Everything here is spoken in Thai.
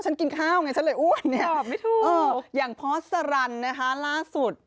กินข้าวไงฉันเลยอ้วนเนี่ยอย่างพอสรันนะคะล่าสุด